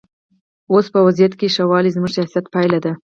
اوس په وضعیت کې ښه والی زموږ سیاست پایله ده.